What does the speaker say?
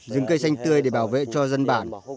rừng cây xanh tươi để bảo vệ cho dân bản